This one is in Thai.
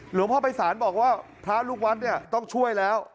หลวงพ่อภัยศาลบอกว่าพระลูกวัดเนี่ยต้องช่วยแล้ว